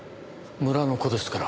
村の子ですから。